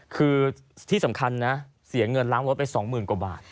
คือที่สำคัญนะเสียเงินล้างรถไป๒๐๐๐กว่าบาท